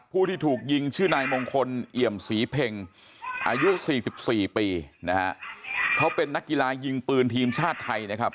ผู้ที่ถูกยิงชื่อนายมงคลเอี่ยมศรีเพ็งอายุ๔๔ปีนะฮะเขาเป็นนักกีฬายิงปืนทีมชาติไทยนะครับ